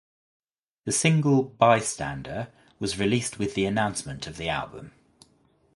The single "Bystander" was released with the announcement of the album.